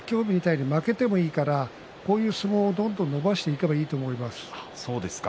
今日みたいに負けてもいいから、こういう相撲をどんどん伸ばしていけばいいと思います。